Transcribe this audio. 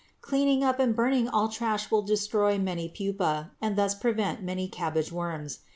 Cleaning up and burning all trash will destroy many pupæ and thus prevent many cabbage worms.